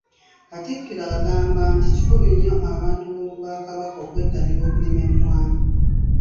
Katikkiro agamba nti kikulu nnyo abantu ba Kabaka okwettanira okulima emmwanyi.